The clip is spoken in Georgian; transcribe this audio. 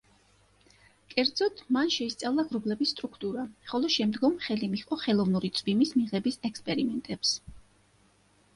კერძოდ მან შეისწავლა ღრუბლების სტრუქტურა, ხოლო შემდგომ ხელი მიჰყო ხელოვნური წვიმის მიღების ექსპერიმენტებს.